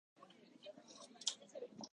貴方のために生きていいかな